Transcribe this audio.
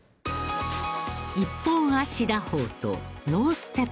一本足打法とノーステップ打法。